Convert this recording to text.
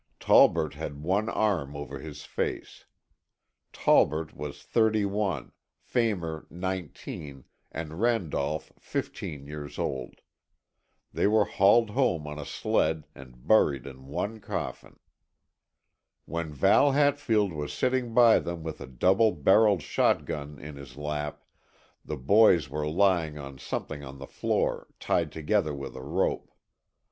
Tolbert had one arm over his face. Tolbert was 31, Phamer 19 and Randall 15 years old. They were hauled home on a sled and buried in one coffin. "When Val Hatfield was sitting by them with a double barreled shotgun in his lap, the boys were lying on something on the floor, tied together with a rope.